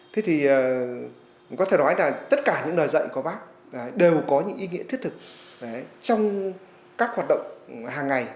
thế thì có thể nói là tất cả những lời dạy của bác đều có những ý nghĩa thiết thực trong các hoạt động hàng ngày